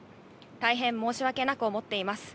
大変申し訳なく思っています。